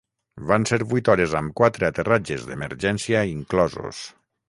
Van ser vuit hores amb quatre aterratges d'emergència inclosos.